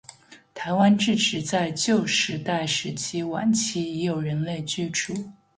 台湾至迟在旧石器时代晚期已有人类居住。